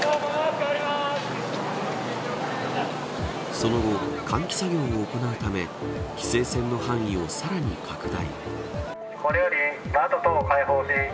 その後、換気作業を行うため規制線の範囲をさらに拡大。